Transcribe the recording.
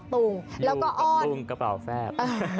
อยู่กับเรากระเป๋าแซบ